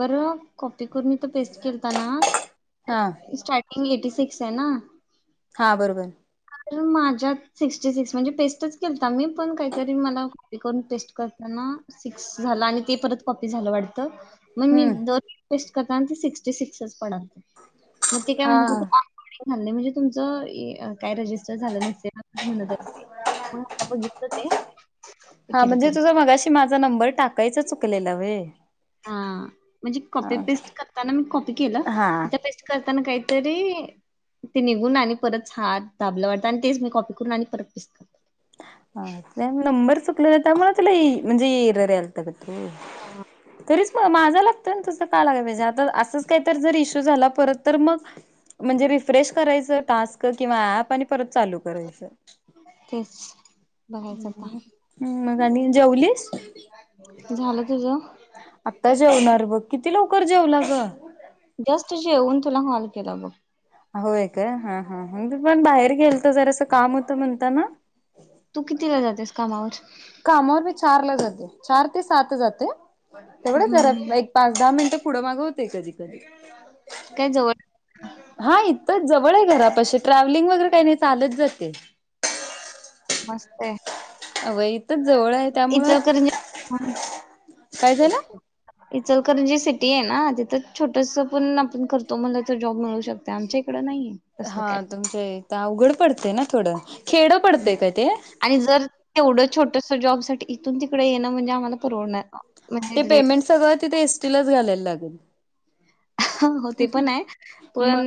बरं कॉपी करून मी तर पेस्ट केलता ना. हां. स्टार्टिंग एटी सिक्स आहे ना. हा बरोबर! माझ्यात सिक्स्टी सिक्स म्हणजे पेस्टच केलता मी पण काहीतरी मला करून पेस्ट करताना‌. सिक्स झालं आणि ते परत कॉपी झालं वाटत. मग मी हम्म द टेस्ट करतना ते सिक्स्टी सिक्सच पडल मग ते काय हा म्हण झालं नाही म्हणजे तुमचं ए काय रजिस्टर झालं नसेल. मग आता बघितल ते. ते हा केलं म्हणजे करेक्ट तुझा मगाशी माझा नंबर टाकायचा चुकलेला होय. हा म्हणजे कॉपी पेस्ट करताना मी कॉपी केलं. हा इथ पेस्ट करताना काहीतरी, ते निघून आणि परतच हात दाबला वाटत आणि तेच मी कॉपी करून आणि परत पेस्ट. ह, ते नंबर चुकले त्यामुळ तुला एर म्हणजे, येरर यायलत गं [unintelligible] हा. तरीच म माझा लागतं न तुजं का लागाय न. आता असंच काहीत जर, इशू झाला, परत तर मग म्हणजे रिफ्रेश करायचं, टास्क किंवा ऍप आणि परत चालू करायचं. तीच, बघायचं आता. हम्, मग आणि जेवलीस? झालं तुझ? आत्ता जेवणार बघ. किती लवकर जेवला ग? जस्ट जेऊन, तुला कॉल केला बघ. होय, का? हा, हा. मी पण बाहेर गेलतो. जरासं काम होतं, म्हणता ना. तू, किती वेळ जातेस कामावर? कामावर मी चारला जाते. चार ते सात जाते. तेवढच हम्म घरात एक पाच- दहा मिनिटं, पुढं- माग होतय, कधीकधी. [unintelligible] काय जवळ हा, इतच जवळय, घरापाशी. ट्रॅव्हलिंग वगैरे काही नाही. चालत जाते. मस्तय. अव, इथच जवळय, त्यामुळं. इचलकरंजी काय झालं? इचलकरजी सिटीयना. तिथं, छोटस पण आपण करतो म्हनल तर, जॉब मिळू शकतो. ते आमच्या इकडं, नाहीये. तसलं हा, काय. तुमच्या इता अवघड पडतय ना, थोडं. खेड पडतेय का ते? आणि जर येवढं छोटस जॉबसाठी, इथून तिकडे येणं म्हणजे आम्हाला परवडना. ते पेमेंट सगळं, तिथे एस टीलाच घालायला लागेल. हं. हो, ते पनाय. पण मग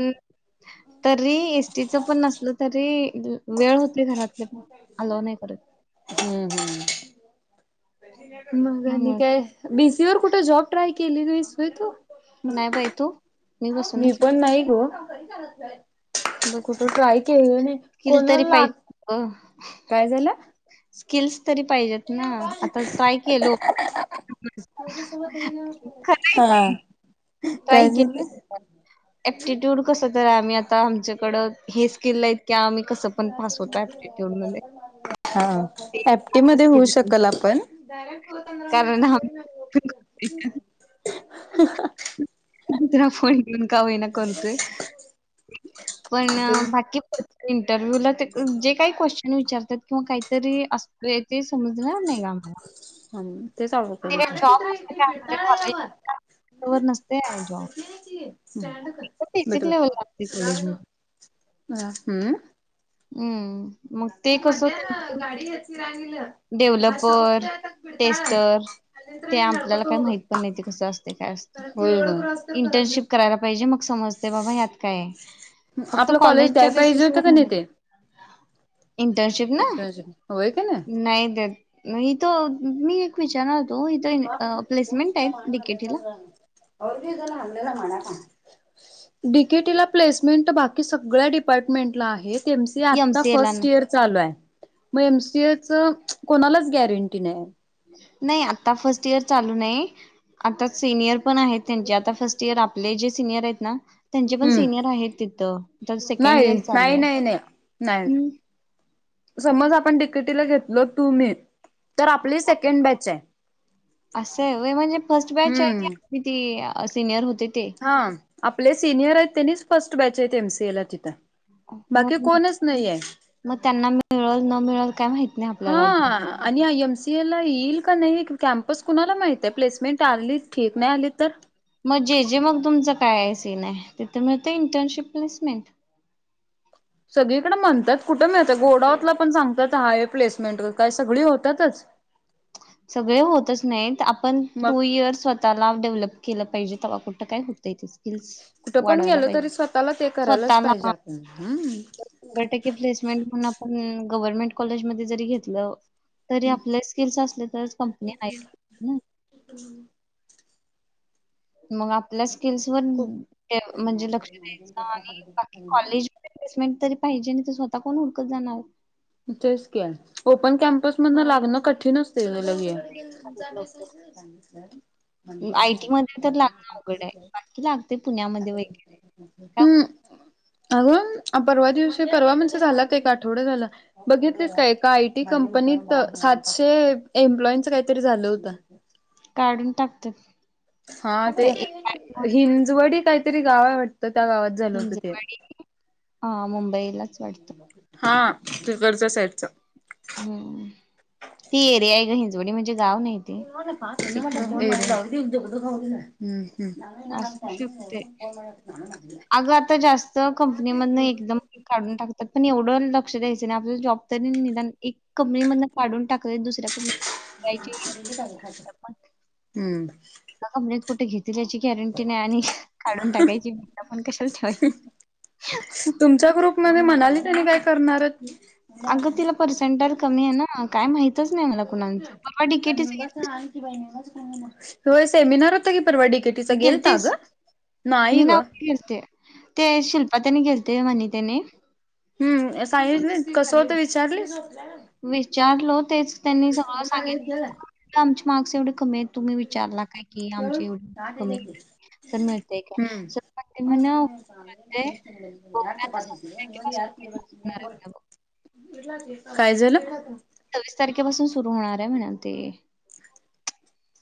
तरी एस टीच पण नसल तरी, वेळ होत नाही घरातले पण. अलाव नाही करत. हम्म, हम्म. मग आणि त्यामुळे काय? बी सी वर कुठे, जॉब ट्राय केली नाहीस होय, तू. नाही बाई तू मी, बसूनच आहे पण नाही गो. [inaudible] ब कुठं, ट्राय केलेलं नाही. कोणाला लाग अ. काय झालं? स्किल्स तरी पाहिजेत ना. आता ट्राय केलो. [unintelligible] खरंय हा, काय झालं? ॲप्टिट्यूड कस तर, आम्ही आता. आमच्याकडं हे स्किलय क आम्ही कसं पण पास वतोय, ॲप्टिट्यूडमध्ये. हा. एपटी मध्ये होऊ आहे. शकल आपण. कारण हा [unintelligible] दुसरा फोन घेऊन का होईना, करतोय. पण ते बाकी इंटरव्ह्यूला ते, जे काही क्वेश्चन विचारतात किंवा काहीतरी अस ते समजणार नाही गं, आम्हा. तेच [unintelligible] ते काही जॉब [unintelligible] असते का कॉलेजर नसते आहे जॉब. बेसिक लेवल असते [unintelligible] कॉलेजमध्ये हम्. हम्म. मग ते कसं, त्यांच [unintelligible] डेव्हलपर, टेस्टर. ते आपल्याला काही माहित पण नाही. ते कसं असते, काय असते? इंटर्नशिप करायला पाहिजे. मग समजते बाबा ह्यात काये? फक्त आपलं कॉलेज द्याय कॉलेजच्या पाहिजे बेसेस होतं वर का ना नाही ते इंटर्नशिप ना? होय का नाय? नाही देत. इथ मी एक विचारनार होतो. प्लेसमेंट आहेत डिकेटीला? [inaudible] डिकेटला प्से बाकी सगळ्या डिपम्टमेंटला आहे. एम सी आता एमसीए ला फर्ट नाही इयर चालूय. मग एम सी ए च कोणालाच गॅरंटी नाही. नाही आता फर्स्ट इयर चालू नाही. आता सिनियर पण आहेत त्यांचे. आता फर्स्ट इयर आपले जे सिनियर आहेत ना. त्यांचे पण हम्म सिनियर आहेत तिथं. तर सेकंड नाही. इयर चालू नाही. आहे नाही. नाही. नाही. हम्म समज आपण डीकेटीला घेतलो तु मी. तर आपली सेकंड बॅचे. असंय व्हय म्हणजे फर्स्ट बॅच आहे की हम्म आपले ती सिनियर होते ते. ह. आपले सिनियरेत त्यांनीच फर्स्ट बॅच आहेत एम सी ए ला तिथं. हो. बाकी कोणच नाहीये म त्यांना मिळल न मिळल काय माहिती. हा. आणि आय एम सी एला येईल का नाही. कॅम्पस कुणाला माहिते. प्लेसमेंट आली ठीक. नाही आली तर? मग जे जे मग तुमचं कायसीने. तिथं मिळतं इंटर्नशिप प्लेसमेंट. सगळीकडें म्हणतात. कुठं मळतं गोडावतला पण सांगतात. हायवे प्लेसमेंट क काय सगळी होतातच. [inaudible] सगळे होतच नाहीत. आपण मग टू इयर्स स्व ताला डेव्हलप केलं पाहिजे. तेव्हा कुठं काय होतं तेच. कुठं पण गेल तरी स्वतःला ते करायलाच स्वतःला पाहिजे आपण. हम्म. शंभर टक्के प्लेसमेंट म्हणून आपण, गव्हर्नमेंट कॉलेजमध्येध्ये जरी घेतलं, तरी आपल्या स्किल्स असल्या तर कंपनी हाई [inaudible] मग आपल्या स्किल्स वर खूप म्हणजे लक्ष द्यायचं. आणि बाकी कॉलेज प्लेसमेट तरी पाहिजे. नाही त ते स्वतः कोण हुडकत जाणार. तेच की. ओपन कॅम्पस मधन लागणं कठीण असते ग लगे. लवकर. ग [inaudible] आयटी मध्ये तर लागणं अवघडे. बाकी लागते पुण्यामध्ये वगैरे. हम्म. अगं परवा दिवशी परवा म्हणजे झालात एक आठवडा झाला. बघितलेस काय? एका आयटी कंपनीत सातशे एम्प्लॉईनच काहीतरी झालं होतं. काढून टाकतात. हा ते आता एक हिंजवडी काहीतरी गावे वाटतं. त्या गावात. झालं होतं ते. हिंजवाडी. हा मुंबईला. हा तिकडच्या साईडच. हम्म. ती एरियाय ग. हिंजवडी म्हणजे गाव नाही. ते सिटी मला नाही. पागदी खा असू [inaudible] शकते हम्म अगं आता जास्त हम्म. कंपनीमधन एकदम [inaudible] काढून टाक त्यात पण एवढं लक्ष द्यायचं नाही. आपला जॉब तरी निदान एक कंपनी मधन काढून टाकलत दुसऱ्या कंपनी हम्म. एका [unintelligible] कुठ घेत दिल्याची गॅरंटी नाय आणि काढून टाकायची भी आपण कशाला ठेवायची. तुमच्या ग्रुप मध्ये मणाली त्यांनी काय करणारयेत अग तिला पर्सेंटेर कमी ये ना काय माहितच नाय मला कुणाचं परवा डी के टीच [unintelligible] वहिनींनाच घेऊ म होय सेमिनार होता की परवा डी के तिचा गेलता गेलतीस? ग नाई मी ग नव्हती गेलते ते शिल्पा त्यानी गेलते म्हनी त्यानी हम्म साईज नाय कसं होतं विचारलीस विचारलो तेच त्यांनी सगळं सांगित आमचे मार्क्स एवढे कमी येत तुम्ही विचारला काय की आमचे एवढे कमी तर मिळते हूं काय सर म्हणले म्हण मिळते बघूया आता सव्वीस तारखेपासून होणार आहे बघ. [unintelligible] काय झालं? चोवीस तारखेपासून सुरू होणार ये म्हणालते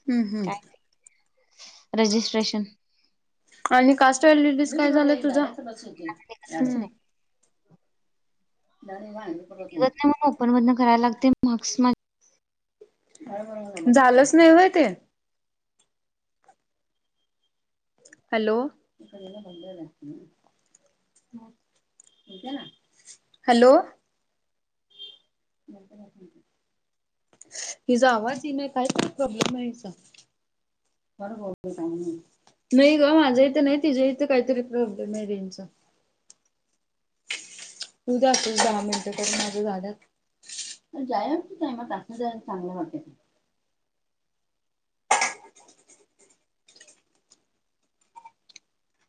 हम्म हूं रजिस्ट्रेशन आणि कास्ट वेलीडीस काय झालंय तुझ माझं निघतच हूं नाही झाली [unintelligible] हे होत नाय म ओपन मधना कराला लागते माक्स मा झालंच नाय व्हय ते हॅलो हॅलो हिचा आवाज ये ना कायतरी प्रॉब्लेम हाय हिचा [unintelligible] चांगली नाय ग माझ्या इथं नाय तिज्या इथं कायतरी प्रॉब्लेम हाय रेंजचा होऊदे असच दहा मिनिटं त्यानं माझं झालं जायांच टायमात असं जायला चांगलं वाटत नाय [inaudible]